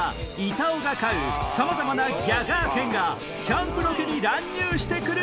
板尾が飼うさまざまなギャガー犬がキャンプロケに乱入して来る